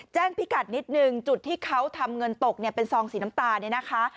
พิกัดนิดนึงจุดที่เขาทำเงินตกเนี่ยเป็นซองสีน้ำตาลเนี่ยนะคะ